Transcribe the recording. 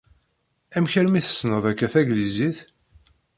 Amek armi tessneḍ akka taglizit?